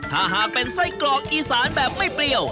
ถ้าหากเป็นไส้กรอกอีสานแบบไม่เปรี้ยว